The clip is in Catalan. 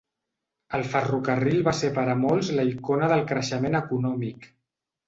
El ferrocarril va ser per a molts la icona del creixement econòmic.